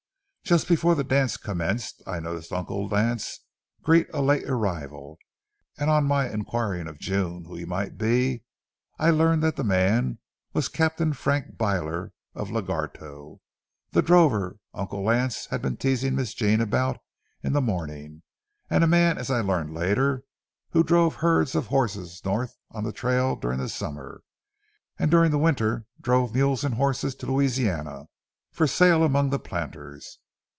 Just before the dance commenced, I noticed Uncle Lance greet a late arrival, and on my inquiring of June who he might be, I learned that the man was Captain Frank Byler from Lagarto, the drover Uncle Lance had been teasing Miss Jean about in the morning, and a man, as I learned later, who drove herds of horses north on the trail during the summer and during the winter drove mules and horses to Louisiana, for sale among the planters.